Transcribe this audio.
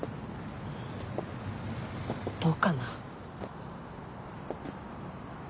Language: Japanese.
どうかな。